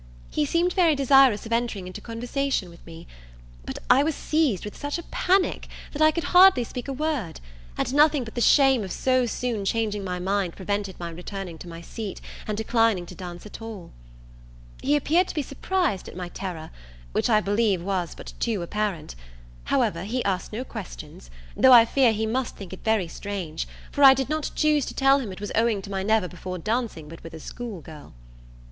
He seemed very desirous of entering into conversation with me; but I was seized with such a panic, that I could hardly speak a word, and nothing but the shame of so soon changing my mind prevented my returning to my seat, and declining to dance at all. He appeared to be surprised at my terror, which I believe was but too apparent: however, he asked no questions, though I fear he must think it very strange, for I did not choose to tell him it was owing to my never before dancing but with a school girl.